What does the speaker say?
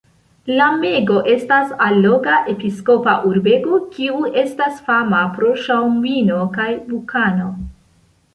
Lamego estas alloga episkopa urbego, kiu estas fama pro ŝaŭmvino kaj bukano.